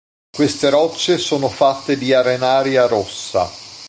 Queste rocce sono fatte di arenaria rossa.